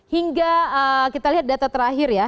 hingga kita lihat data terakhir ya